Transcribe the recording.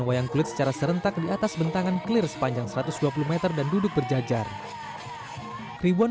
wayang kulit secara serentak di atas bentangan clear sepanjang satu ratus dua puluh m dan duduk berjajar ribuan